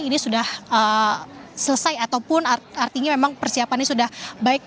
ini sudah selesai ataupun artinya memang persiapannya sudah baik